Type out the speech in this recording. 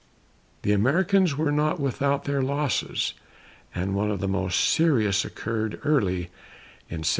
The Americans were not without their losses, and one of the most serious occurred early in 1778.